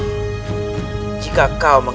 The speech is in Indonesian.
aku berikan satu kesempatan lagi